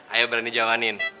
ayo berani jamanin